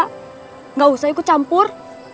tidak usah ikut campur